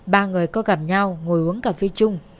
ba người có gặp nhau ngồi uống cà phê chung